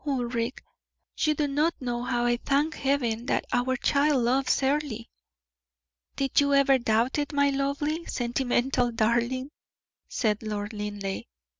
Ulric, you do not know how I thank Heaven that our child loves Earle." "Did you ever doubt it, my lovely, sentimental darling?" said Lord Linleigh.